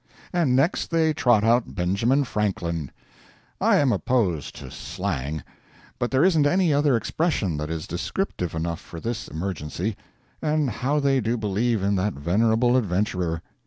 And next they trot out Benjamin Franklin. I am opposed to slang; but there isn't any other expression that is descriptive enough for this emergency. And how they do believe in that venerable adventurer!